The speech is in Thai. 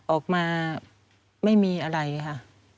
ออกมาไม่มีอะไรค่ะ